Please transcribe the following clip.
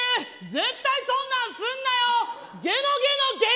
絶対にそんなんすんなよ！